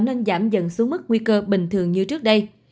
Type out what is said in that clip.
nên giảm dần xuống mức nguy cơ bình thường như trước đây